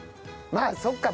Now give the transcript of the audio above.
まあそっか。